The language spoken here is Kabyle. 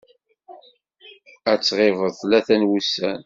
Ad tɣibeḍ tlata n wussan.